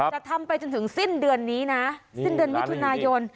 จะทำไปจนถึงสิ้นเดือนนี้นะสิ้นเดือนมิถุนายน